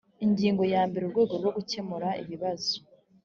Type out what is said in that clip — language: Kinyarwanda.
ingingo ya mbere urwego rwo gukemura ibibazo